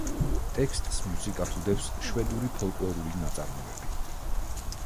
ტექსტს მუსიკად უდევს, შვედური ფოლკლორული ნაწარმოები.